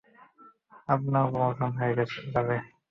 আপনার প্রমোশন হয়ে যাবে!